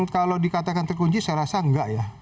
kalau dikatakan terkunci saya rasa enggak ya